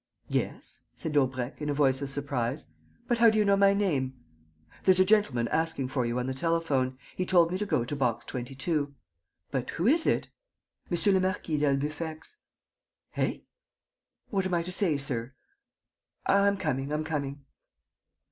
"Yes," said Daubrecq, in a voice of surprise. "But how do you know my name?" "There's a gentleman asking for you on the telephone. He told me to go to Box 22." "But who is it?" "M. le Marquis d'Albufex." "Eh?" "What am I to say, sir?" "I'm coming.... I'm coming...."